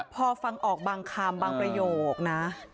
พอฟังออกบางคำบางประโยคนะ